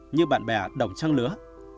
như bạn bè đồng chăng lứa